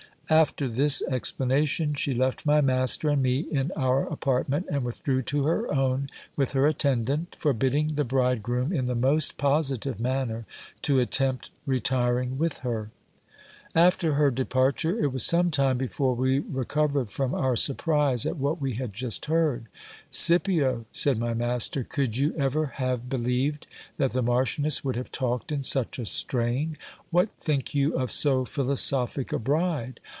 After this explanation, she left my master and me in our apartment, and withdrew to her own with her attendant, forbidding the bridegroom, in the most positive manner, to attempt retiring with her. After her departure, it was some time before we recovered from our surprise at what we had just heard. Scipio, said my master, could you ever have be lieved that the Marchioness would have talked in such a strain ? What think you of so philosophic a bride